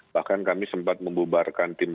bahkan kami sempat membubarkan tim